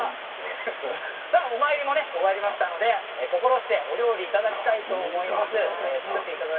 お参りも終わりましたので心してお料理をいただきましょう。